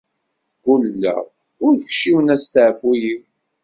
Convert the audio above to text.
Ggulleɣ ur kcimen asteɛfu-w.